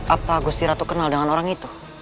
apa gusti ratu kenal dengan orang itu